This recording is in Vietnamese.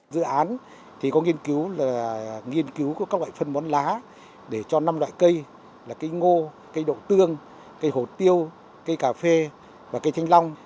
dự án có nghiên cứu các loại phân món lá để cho năm loại cây là cây ngô cây đậu tương cây hột tiêu cây cà phê và cây chanh long